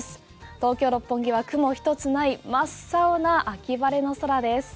東京・六本木は雲一つない真っ青な秋晴れの空です。